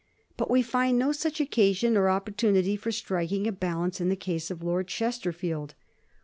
But Tre find no such occasion or opportunity for striking a bal* ance in the case of Lord Chesterfield.